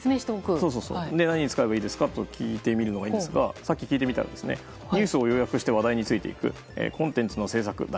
何に使えばいいですかと聞いてみればいいんですがさっき聞いてみたらニュースを要約して話題についていく。